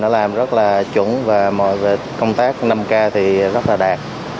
nó làm rất là chuẩn và công tác năm k thì rất là đạt